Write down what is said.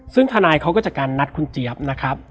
ซึ่งทนายเขาก็จัดการนัดคุณเจี๊ยบนะครับ